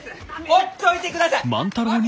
ほっちょいてください！